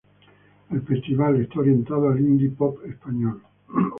El festival está orientado al indie pop español.